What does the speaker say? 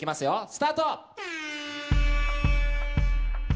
スタート！